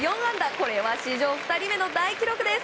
これは史上２人目の大記録です。